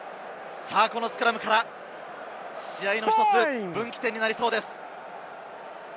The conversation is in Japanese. このスクラムから試合の分岐点になりそうです。